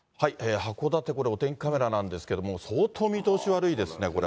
函館、これ、お天気カメラなんですけれども、相当、見通し悪いですね。